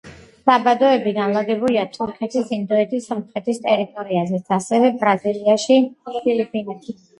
საბადოები განლაგებულია თურქეთის, ინდოეთის, სომხეთის ტერიტორიაზეც, ასევე ბრაზილიაში, ფილიპინებზე.